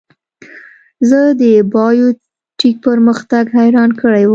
زه د بایو ټیک پرمختګ حیران کړی یم.